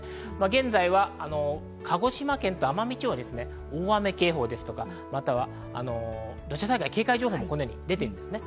現在、鹿児島県と奄美地方に大雨警報ですとか、土砂災害警戒情報が出ています。